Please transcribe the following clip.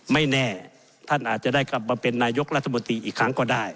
ไม่แน่ท่านอาจจะได้กลับมาเป็นนายกรัฐมนตรีอีกครั้งก็ได้